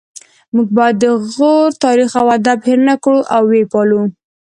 موږ باید د غور تاریخ او ادب هیر نکړو او ويې پالو